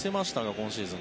今シーズン